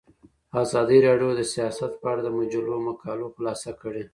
ازادي راډیو د سیاست په اړه د مجلو مقالو خلاصه کړې.